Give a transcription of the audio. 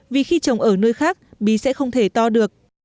vì khi trồng ở nơi khác bí sẽ không thể to được